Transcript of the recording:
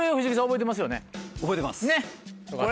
覚えてます。